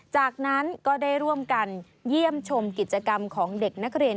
จากนั้นก็ได้ร่วมกันเยี่ยมชมกิจกรรมของเด็กนักเรียน